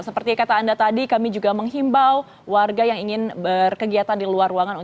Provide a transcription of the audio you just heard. seperti kata anda tadi kami juga menghimbau warga yang ingin berkegiatan di luar ruangan